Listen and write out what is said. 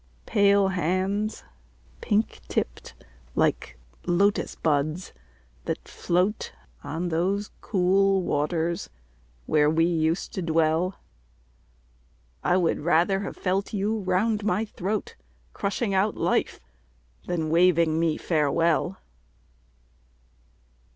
Pale hands, pink tipped, like Lotus buds that float On those cool waters where we used to dwell, I would have rather felt you round my throat, Crushing out life, than waving me farewell!